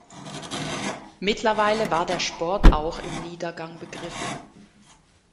Mittlerweile war der Sport auch im Niedergang begriffen.